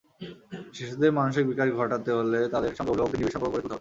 শিশুদের মানসিক বিকাশ ঘটাতে হলে তাদের সঙ্গে অভিভাবকদের নিবিড় সম্পর্ক গড়ে তুলতে হবে।